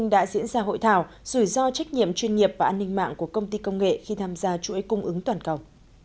đánh giá hội thảo rủi ro trách nhiệm chuyên nghiệp và an ninh mạng của công ty công nghệ khi tham gia chuỗi cung ứng toàn cầu